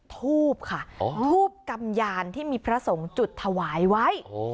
ทูบค่ะทูบกำยานที่มีพระสงฆ์จุดถวายไว้